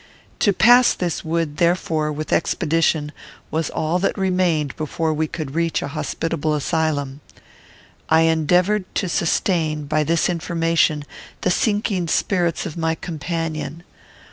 To pass this wood, therefore, with expedition, was all that remained before we could reach a hospitable asylum. I endeavoured to sustain, by this information, the sinking spirits of my companion.